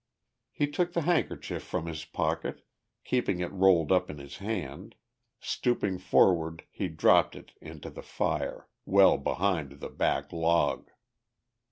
He took the handkerchief from his pocket, keeping it rolled up in his hand; stooping forward he dropped it into the fire, well behind the back log.